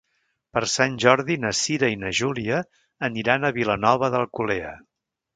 Per Sant Jordi na Cira i na Júlia aniran a Vilanova d'Alcolea.